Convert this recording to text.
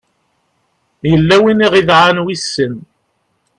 yella win i aɣ-d-idɛan wissen